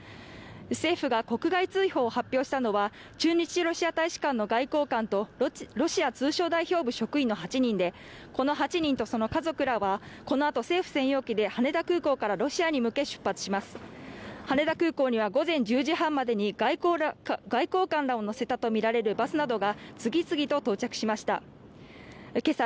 政府が国外追放を発表したのは駐日ロシア大使館の外交官とロシア通商代表部職員の８人でこの８人とその家族らはこのあと政府専用機で羽田空港からロシアに向け出発します羽田空港には午前１０時半までに外交官らを乗せたと見られるバスなどが次々と到着しましたけさ